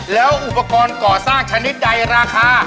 แล้วอุปกรณ์ก่อสร้างชนิดใดราคา